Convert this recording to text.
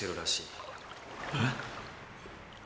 えっ？